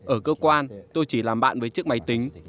ở cơ quan tôi chỉ làm bạn với chiếc máy tính